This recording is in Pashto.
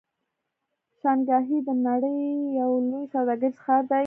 شانګهای د نړۍ یو لوی سوداګریز ښار دی.